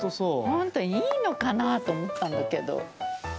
ホントいいのかな？と思ったんだけど。